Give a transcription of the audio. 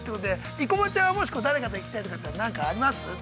生駒ちゃん、もし誰かと行きたいとかあります？